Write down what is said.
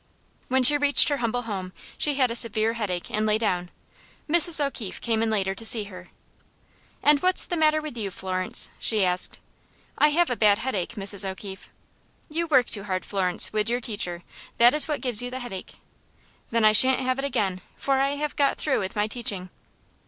When she reached her humble home she had a severe headache and lay down. Mrs. O'Keefe came in later to see her. "And what's the matter with you, Florence?" she asked. "I have a bad headache, Mrs. O'Keefe." "You work too hard, Florence, wid your teacher. That is what gives you the headache." "Then I shan't have it again, for I have got through with my teaching."